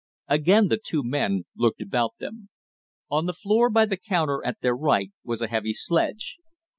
Again the two men looked about them. On the floor by the counter at their right was a heavy sledge.